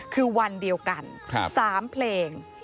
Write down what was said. คือวันเดียวกัน๓เพลง